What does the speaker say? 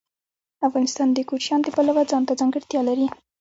افغانستان د کوچیان د پلوه ځانته ځانګړتیا لري.